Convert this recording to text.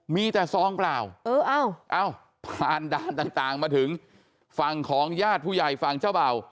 มีแต่ซองเปล่าผ่านด่านต่างมาถึงฝั่งของญาติผู้ใหญ่ฝั่งเจ้าเบ่า